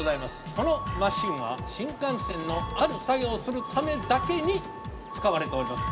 このマシンは新幹線のある作業をするためだけに使われております。